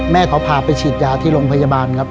แม่เขาพาไปฉีดยาที่โรงพยาบาลครับ